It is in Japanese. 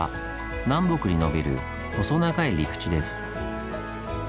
南北に伸びる細長い陸地です。